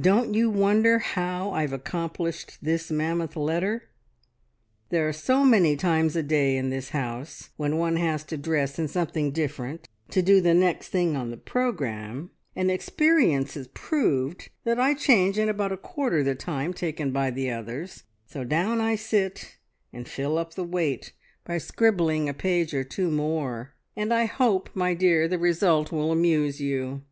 "Don't you wonder how I've accomplished this mammoth letter? There are so many times a day in this house when one has to dress in something different, to do the next thing on the programme, and experience has proved that I change in about a quarter the time taken by the others, so down I sit and fill up the wait by scribbling a page or two more, and I hope, my dear, the result will amuse you.